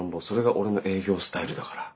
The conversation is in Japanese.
それが俺の営業スタイルだから。